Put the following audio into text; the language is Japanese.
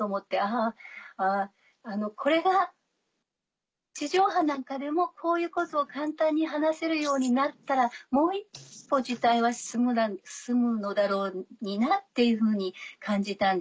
あぁこれが地上波なんかでもこういうことを簡単に話せるようになったらもう一歩事態は進むのだろうになっていうふうに感じたんですね。